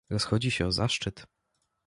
"Rozchodzi się o zaszczyt."